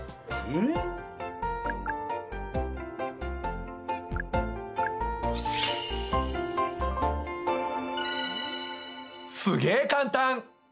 あっすげえ簡単！